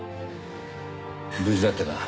無事だったか。